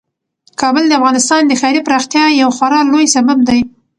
کابل د افغانستان د ښاري پراختیا یو خورا لوی سبب دی.